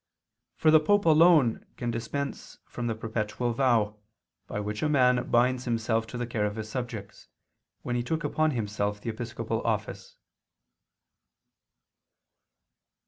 For the Pope alone can dispense from the perpetual vow, by which a man binds himself to the care of his subjects, when he took upon himself the episcopal office.